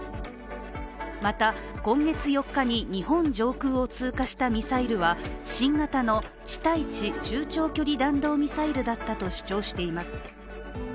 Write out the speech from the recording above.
また、今月４日に日本上空を通過したミサイルは新型の地対地中長距離弾道ミサイルだったと主張しています。